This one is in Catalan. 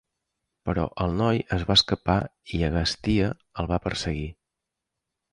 Però el noi es va escapar i Agastia el va perseguir.